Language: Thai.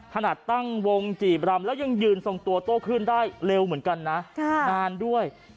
ถนัดตั้งวงจีบรำแล้วยังยืนทรงตัว